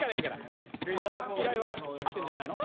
であの依頼は？来てんじゃないの？